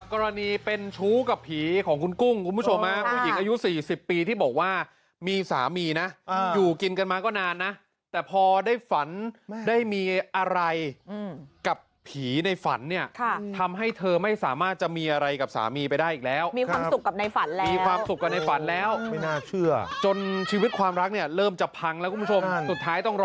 กรณีเป็นชู้กับผีของคุณกุ้งคุณผู้ชมผู้หญิงอายุ๔๐ปีที่บอกว่ามีสามีนะอยู่กินกันมาก็นานนะแต่พอได้ฝันได้มีอะไรกับผีในฝันเนี่ยทำให้เธอไม่สามารถจะมีอะไรกับสามีไปได้อีกแล้วมีความสุขกับในฝันแล้วมีความสุขกับในฝันแล้วไม่น่าเชื่อจนชีวิตความรักเนี่ยเริ่มจะพังแล้วคุณผู้ชมสุดท้ายต้องรอ